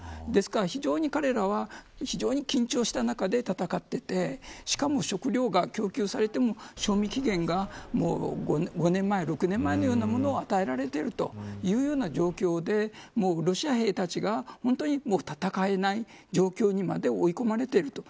ですから、彼らは非常に緊張した中で戦っていてしかも、食料が供給されても賞味期限が５年前、６年前のようなものを与えられているというよう状況でもうロシア兵たちが本当に戦えない状況にまで追い込まれている。